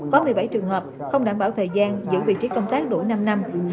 có một mươi bảy trường hợp không đảm bảo thời gian giữ vị trí công tác đủ năm năm